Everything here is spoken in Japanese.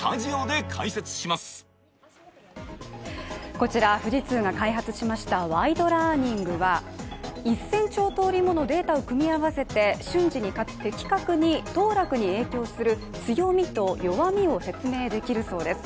こちら富士通が開発しましたワイドラーニングは１０００兆とおりものデータを組み合わせて、瞬時に、かつ的確に当落に影響する強みと弱みを説明できるそうです。